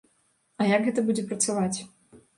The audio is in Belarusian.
А як гэта будзе працаваць?